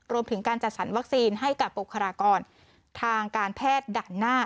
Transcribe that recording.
รวมถึงการจัดสรรวัคซีนให้กับบุคลากรทางการแพทย์ด่านหน้า